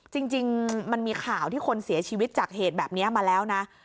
จริงมันมีข่าวที่คนเสียชีวิตจากเหตุแบบนี้มาแล้วนะ